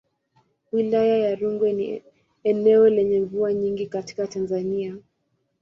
Wilaya ya Rungwe ni eneo lenye mvua nyingi katika Tanzania.